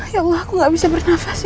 ya allah aku tidak bisa bernafas